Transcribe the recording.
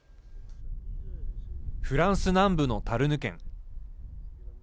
フランス南部のタルヌ県。